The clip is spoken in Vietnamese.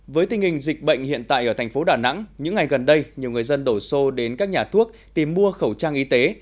với tình hình dịch bệnh hiện tại ở thành phố đà nẵng những ngày gần đây nhiều người dân đổ xô đến các nhà thuốc tìm mua khẩu trang y tế